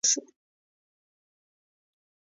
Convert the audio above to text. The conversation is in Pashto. دی په بدعمله مشهور شو.